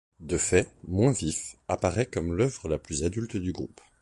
De fait, moins vif, ' apparaît comme l'œuvre la plus adulte du groupe.